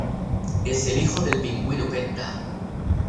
Es el hijo del pingüino Penta.